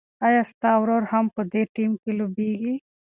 ایا ستا ورور هم په دې ټیم کې لوبېږي؟